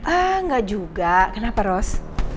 enggak juga kenapa ros